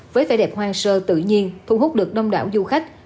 với vẻ đẹp hoang sơ tự nhiên thu hút được đông đảo du khách